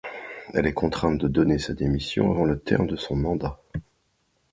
Elle est contrainte de donner sa démission avant le terme de son mandat.